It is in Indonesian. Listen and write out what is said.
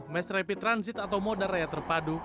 mass rapid transit atau moda raya terpadu